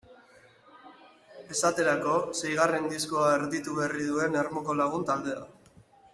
Esaterako, seigarren diskoa erditu berri duen Ermuko lagun taldea.